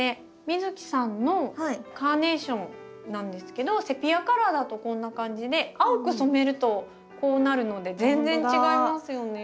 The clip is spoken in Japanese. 美月さんのカーネーションなんですけどセピアカラーだとこんな感じで青く染めるとこうなるので全然違いますよね。